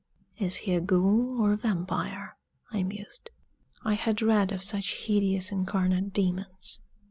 "Is he a ghoul, or a vampire?" I mused. I had read of such hideous incarnate demons.